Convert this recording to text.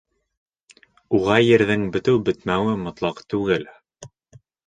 Уға ерҙең бөтөү-бөтмәүе мотлаҡ түгел.